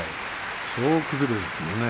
総崩れですもんね。